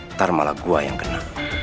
ntar malah gua yang kena